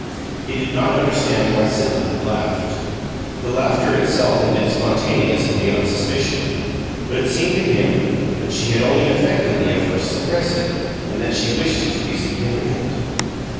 He did not understand why Sibyl had laughed. The laughter itself had been spontaneous and beyond suspicion, but it seemed to him that she had only affected the effort to suppress it and that she wished it to be significant.